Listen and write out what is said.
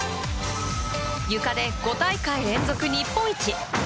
ゆかで５大会連続日本一。